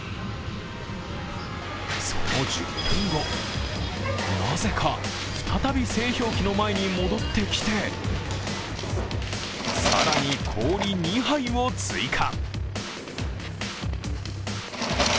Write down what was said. その１０分後、なぜか再び製氷機の前に戻ってきて、更に氷２杯を追加。